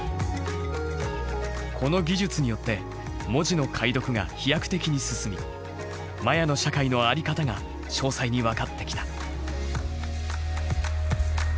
この技術によって文字の解読が飛躍的に進みマヤの社会の在り方が詳細に分かってきた。